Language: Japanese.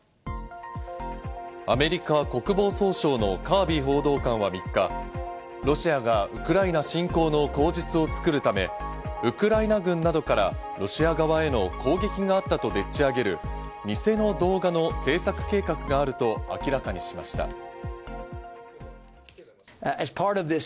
アメリカ国防総省のカービー報道官は３日、ロシアがウクライナ侵攻の口実を作るため、ウクライナ軍などからロシア側への攻撃があったとでっち上げる偽の動画の制作計画があると明らかにしました。